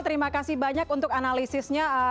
terima kasih banyak untuk analisisnya